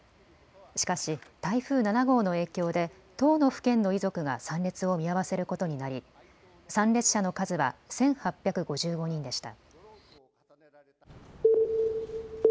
しかし台風７号の影響で１０の府県の遺族が参列を見合わせることになり参列者の数は１８５５人でした。